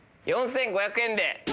４５００円で。